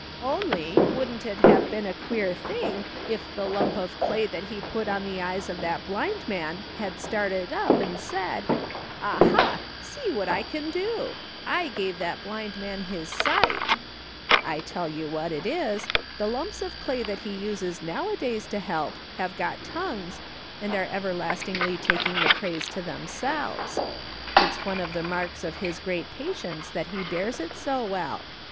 " Only, wouldn't it have been a queer thing if the lump of clay that he put on the eyes of that blind man bad started up and said :' Aha, see what I can do ! I gave that blind man his sight !' I tell you what it is, the lumps of clay that he uses nowadays to help, have got tongues, and are everlastingly taking the praise to themselves. It's one of the marks of his great patience that he bears it so well.